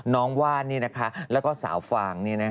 น้องว่านนี่นะคะแล้วก็สาวฟางนี่นะคะ